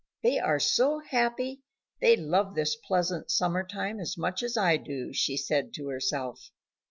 "They are so happy; they love this pleasant summer time as much as I do," she said to herself.